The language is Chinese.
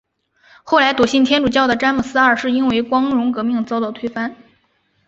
后来笃信天主教的詹姆斯二世因为光荣革命遭到推翻。